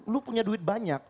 lu punya duit banyak